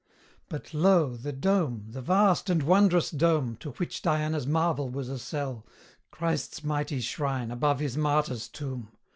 But lo! the dome the vast and wondrous dome, To which Diana's marvel was a cell Christ's mighty shrine above his martyr's tomb!